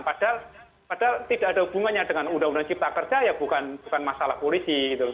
padahal tidak ada hubungannya dengan undang undang cipta kerja ya bukan masalah polisi gitu loh